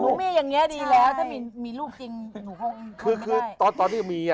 ลูกแม่อย่างนี้ดีแล้วถ้ามีลูกจริงหนูก็ไม่ได้